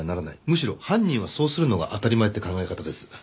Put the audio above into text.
むしろ犯人はそうするのが当たり前って考え方です。